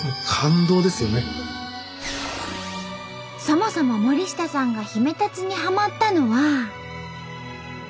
そもそも森下さんがヒメタツにハマったのは。